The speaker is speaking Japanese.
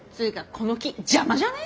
この木邪魔じゃね？